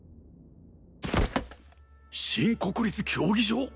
新国立競技場？